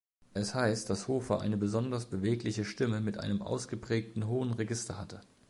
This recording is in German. Es heißt, dass Hofer eine besonders bewegliche Stimme mit einem ausgeprägten hohen Register hatte.